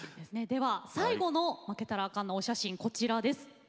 最後の負けたらあかんのお写真です。